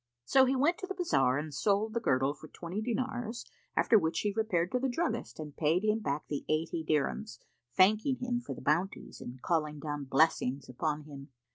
So he went to the bazar and sold the girdle for twenty dinars, after which he repaired to the druggist and paid him back the eighty dirhams, thanking him for the bounties and calling down blessings upon him.